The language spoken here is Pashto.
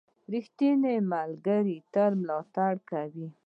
• ریښتینی ملګری تل ملاتړ کوي.